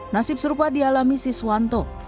nasib serupa dialami siswanto